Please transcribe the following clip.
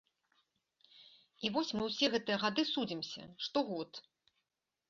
І вось мы ўсе гэтыя гады судзімся, штогод.